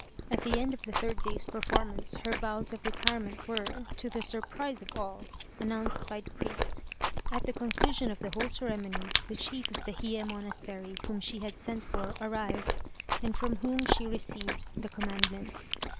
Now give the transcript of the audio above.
At the end of the third day's performance her vows of retirement were, to the surprise of all, announced by the priest. At the conclusion of the whole ceremony, the chief of the Hiye monastery, whom she had sent for, arrived, and from whom she received the "commandments."